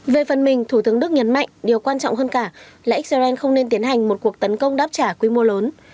về phần mình thủ tướng đức nhấn mạnh điều quan trọng hơn cả là israel không nên tiến hành một cuộc tấn công đáp trả quy mô lớn